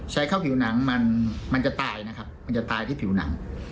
ใช้เข้าผิวหนังมันมันจะตายนะครับมันจะตายที่ผิวหนัง